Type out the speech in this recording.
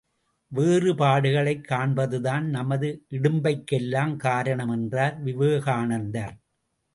வேறுபாடுகளைக் காண்பதுதான் நமது இடும்பைகளுக்கெல்லாம் காரணம் என்றார் விவேகானந்தர்.